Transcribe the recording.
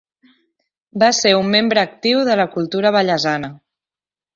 Va ser un membre actiu de la cultura vallesana.